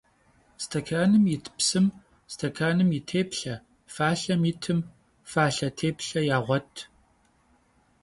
Stekanım yit psım stekanım yi têplhe, falhem yitım falhe têplhe yağuet.